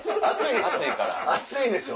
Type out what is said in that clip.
熱いでしょ。